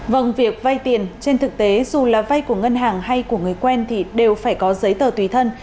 vâng việc vay tiền trên thực tế dù là vay của ngân hàng hay của người quen thì đều phải có giấy tờ tùy thân